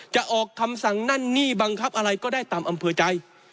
จะออกคำสั่งนั่นนี่บังคับอะไรก็ได้ตามอำเภอใจ